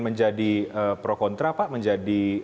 menjadi pro kontra pak menjadi